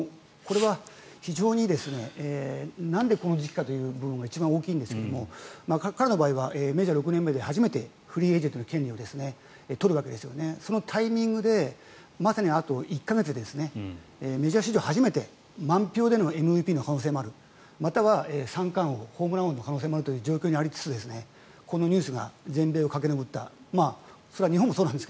かつ、これは非常になんでこの時期かという部分が一番大きいんですが彼の場合は６年目で初めてフリーエージェントを取るタイミングであと１か月でメジャー史上初めて満票でのＭＶＰの可能性もあるまたは三冠王ホームラン王の可能性もあるという状況にありつつこのニュースが全米を駆け巡った。